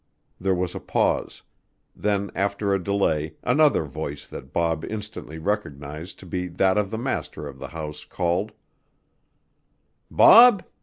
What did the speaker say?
There was a pause; then after a delay another voice that Bob instantly recognized to be that of the master of the house called: "Bob?